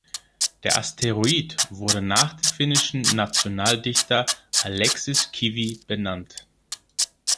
Der Asteroid wurde nach dem finnischen Nationaldichter Aleksis Kivi benannt.